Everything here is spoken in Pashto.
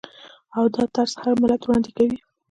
او دا طرز هر ملت وړاندې کوي.